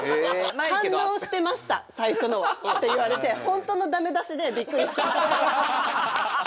「反応してました最初のは」って言われて本当の駄目出しでびっくりした。